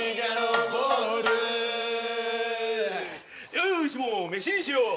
よしもう飯にしよう！